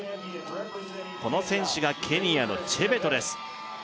この選手がケニアのチェベトです